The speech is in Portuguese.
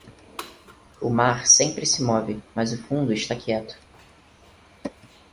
O mar sempre se move, mas o fundo está quieto.